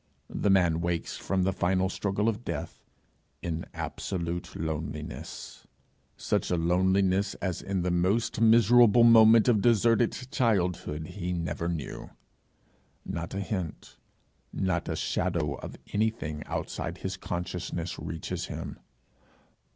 The man wakes from the final struggle of death, in absolute loneliness such a loneliness as in the most miserable moment of deserted childhood he never knew. Not a hint, not a shadow of anything outside his consciousness reaches him.